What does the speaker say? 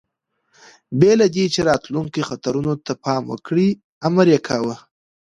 بې له دې، چې راتلونکو خطرونو ته پام وکړي، امر یې کاوه.